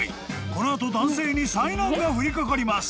［この後男性に災難が降りかかります］